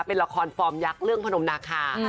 เป็นละครฟอร์มยักษ์เรื่องพนมนาคา